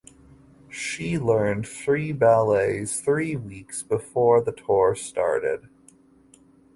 She learned three ballets three weeks before the tour started.